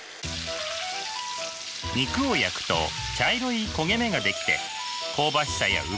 肉を焼くと茶色い焦げ目が出来て香ばしさやうまみが出ます。